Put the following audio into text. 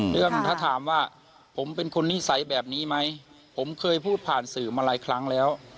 เรื่องถ้าถามว่าผมเป็นคนนิสัยแบบนี้ไหมผมเคยพูดผ่านสื่อมาหลายครั้งแล้ว